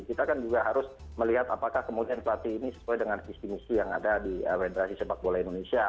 kita kan juga harus melihat apakah kemudian pelatih ini sesuai dengan visi misi yang ada di federasi sepak bola indonesia